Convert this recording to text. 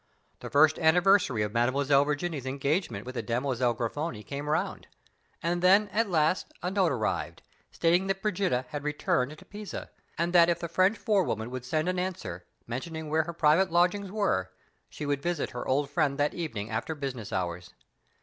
The first anniversary of Mademoiselle Virginie's engagement with the Demoiselle Grifoni came round; and then at last a note arrived, stating that Brigida had returned to Pisa, and that if the French forewoman would send an answer, mentioning where her private lodgings were, she would visit her old friend that evening after business hours.